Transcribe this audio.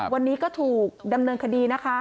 วันนี้ก็ถูกดำเนินคดีนะคะ